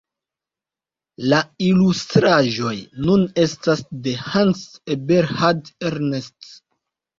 La ilustraĵoj nun estas de Hans-Eberhard Ernst.